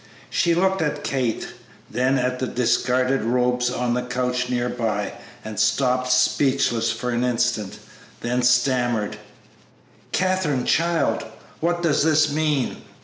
She looked at Kate, then at the discarded robes on a couch near by, and stopped speechless for an instant, then stammered, "Katherine, child, what does this mean?"